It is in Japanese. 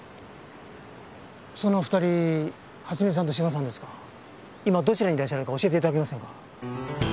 その２人初見さんと志賀さんですか今どちらにいらっしゃるか教えて頂けませんか？